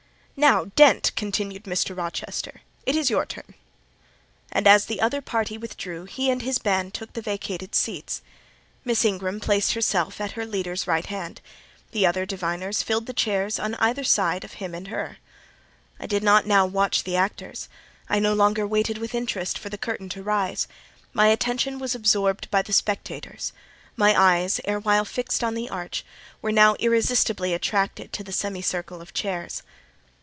"Now, Dent," continued Mr. Rochester, "it is your turn." And as the other party withdrew, he and his band took the vacated seats. Miss Ingram placed herself at her leader's right hand; the other diviners filled the chairs on each side of him and her. I did not now watch the actors; I no longer waited with interest for the curtain to rise; my attention was absorbed by the spectators; my eyes, erewhile fixed on the arch, were now irresistibly attracted to the semicircle of chairs.